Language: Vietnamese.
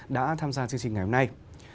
đã tham gia chương trình ngày hôm nay